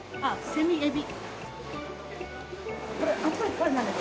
セミエビ。